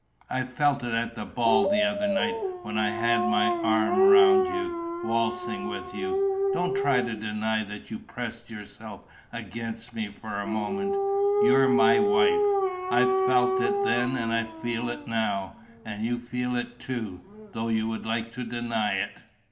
I felt it at the ball the other night, when I had my arm round you, waltzing with you. Don't try to deny that you pressed yourself against me for a moment. You're my wife. I felt it then and I feel it now. And you feel it too, though you would like to deny it.